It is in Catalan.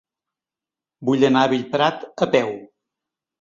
Vull anar a Bellprat a peu.